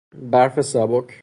برف سبک